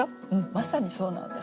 まさにそうなんです。